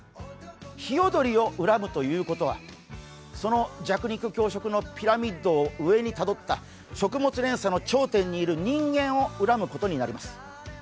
ひよどりを恨むということは、その弱肉強食のピラミッドを上にたどった食物連鎖の頂点にいる人間を恨むことになります。